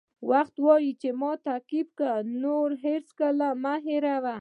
وخت وایي چې ما تعقیب کړه نور هر څه هېر کړه.